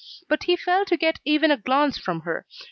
But he failed to get even a glance from her.